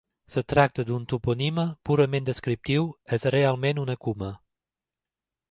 Es tracta d'un topònim purament descriptiu: és realment una coma.